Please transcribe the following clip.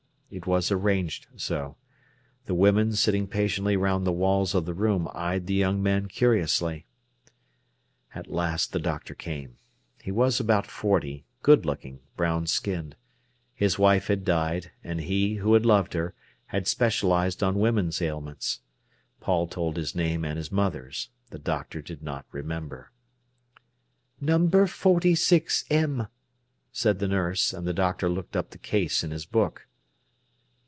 It was arranged so. The women sitting patiently round the walls of the room eyed the young man curiously. At last the doctor came. He was about forty, good looking, brown skinned. His wife had died, and he, who had loved her, had specialised on women's ailments. Paul told his name and his mother's. The doctor did not remember. "Number forty six M.," said the nurse; and the doctor looked up the case in his book.